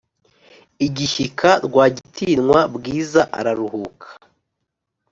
igishyika rwagitinywa bwizaararuhuka